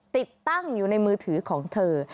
ติดตั้งอยู่ในมือถือของเธอ